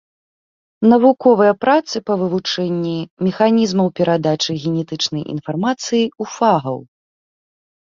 Навуковыя працы па вывучэнні механізмаў перадачы генетычнай інфармацыі ў фагаў.